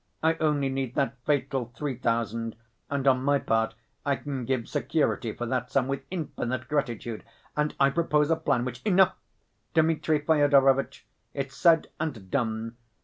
I only need that fatal three thousand, and on my part I can give security for that sum with infinite gratitude, and I propose a plan which—" "Enough, Dmitri Fyodorovitch, it's said and done."